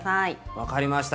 分かりました。